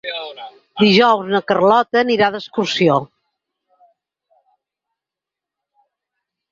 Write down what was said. Dijous na Carlota anirà d'excursió.